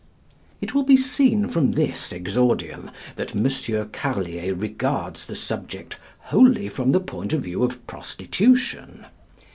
'" It will be seen from this exordium that M. Carlier regards the subject wholly from the point of view of prostitution.